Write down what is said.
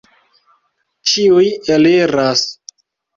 Ĉiuj eliras!